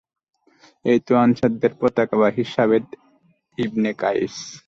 এই তো আনসারদের পতাকাবাহী সাবেত ইবনে কাইস।